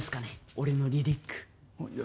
俺のリリック。